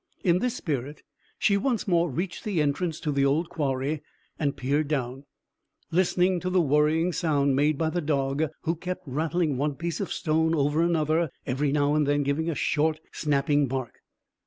In this spirit she once more reached the entrance to the old quarry, and peered down, listening to the worrying sound made by the dog, who kept rattling one piece of stone over another, every now and then giving a short, snapping bark.